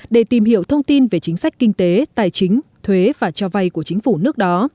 để tìm hiểu thông tin về chính sách kinh tế tài chính thuế và cho vay của chính phủ nước đó